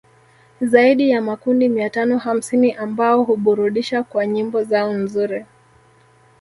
Zaidi ya makundi mia tano hamsini ambao huburudisha kwa nyimbo zao nzuri